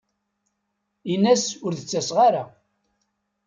In-as ur d-ttaseɣ ara.